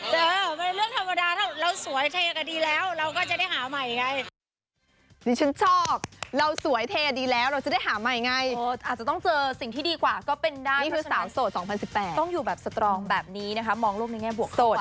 เป็นเรื่องธรรมดาถ้าเราสวยเทก็ดีแล้วเราก็จะได้หาใหม่ไง